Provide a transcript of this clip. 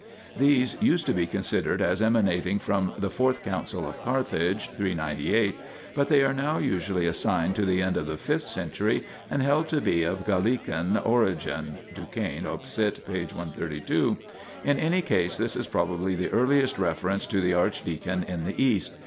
These used INTRODUCTION xlv to be considered as emanating from the fourth Council of Carthage (398), but they are now usually assigned to the end of the fifth century and held to be of Galilean origin (Duchesne op. cit. p. 132). In any case this is probably the earliest reference to the archdeacon in the East.